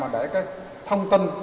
để thông tin